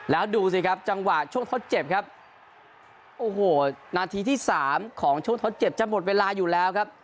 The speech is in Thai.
แล้วดูสิครับจังหวะช่วงทดเจ็บครับโอ้โหนาทีที่สามของช่วงทดเจ็บจะหมดเวลาอยู่แล้วครับ